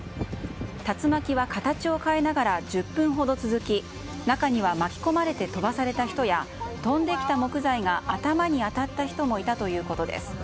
竜巻は形を変えながら１０分ほど続き中には、巻き込まれて飛ばされた人や飛んできた木材が頭に当たった人もいたということです。